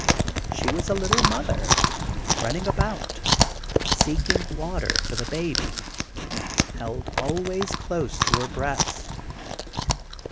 She was a little mother, running about, seeking water for the baby held always close to her breast.